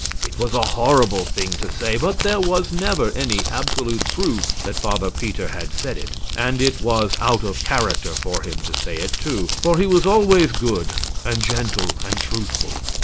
It was a horrible thing to say, but there was never any absolute proof that Father Peter said it; and it was out of character for him to say it, too, for he was always good and gentle and truthful.